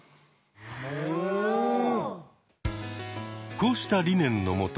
こうした理念のもと